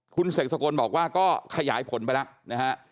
คุณเสกสกลบอกว่าก็ขยายผลไปแล้วนะฮะ